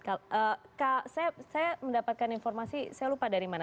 kak saya mendapatkan informasi saya lupa dari mana